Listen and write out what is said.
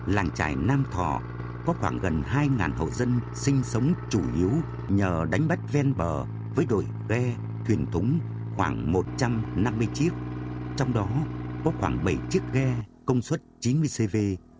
làng trải nam thọ có khoảng gần hai hộ dân sinh sống chủ yếu nhờ đánh bắt ven bờ với đội ghe thuyền thúng khoảng một trăm năm mươi chiếc trong đó có khoảng bảy chiếc ghe công suất chín mươi cv